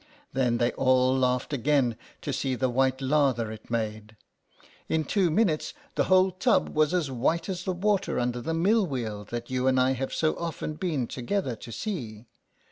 Then they all laughed again to see the white lather it made ; in two min utes the whole tub was as white as the water under the mill wheel that you and I have so often been together to see.